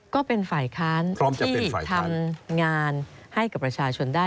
ก็เป็นฝ่ายค้านพร้อมที่ทำงานให้กับประชาชนได้